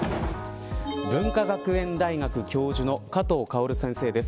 文化学園大学教授の加藤薫先生です。